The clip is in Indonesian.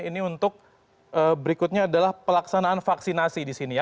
ini untuk berikutnya adalah pelaksanaan vaksinasi di sini ya